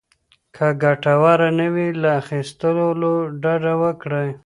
که ګټور نه وي، له اخيستلو ډډه وکړئ.